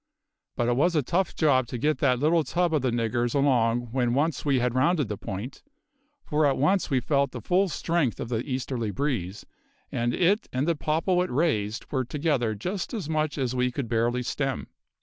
But it was a tough job to get that little tub of the nigger's along when once we had rounded the point, for at once we felt the full strength of the easterly breeze, and it and the popple it raised were together just as much as we could barely stem.